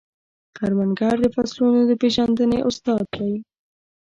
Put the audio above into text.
کروندګر د فصلونو د پیژندنې استاد دی